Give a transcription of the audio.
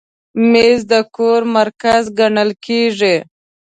مېز د کور مرکز ګڼل کېږي.